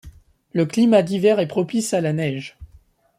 Le climat d'hiver est propice à la neige.